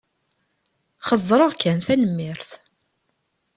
Xeẓẓreɣ kan, tanemmirt.